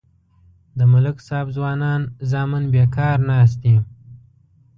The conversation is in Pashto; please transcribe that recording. د ملک صاحب ځوانان زامن بیکار ناست دي.